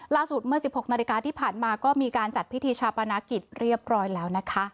ล่าสุดเมื่อสิบหกนาฏการณ์ที่ผ่านมาก็มีการจัดพิธีชาปนาคิตเรียบร้อยแล้ว